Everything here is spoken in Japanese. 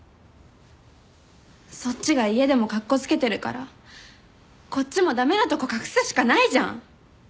そっちが家でもカッコつけてるからこっちも駄目なとこ隠すしかないじゃん！